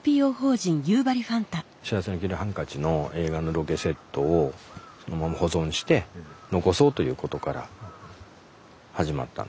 「幸福の黄色いハンカチ」の映画のロケセットをそのまま保存して残そうということから始まったんですね。